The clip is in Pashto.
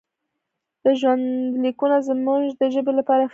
دا ژوندلیکونه زموږ د ژبې لپاره افتخار دی.